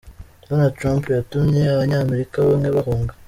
Donald Trump yatumye abanyamerika bamwe bahunga.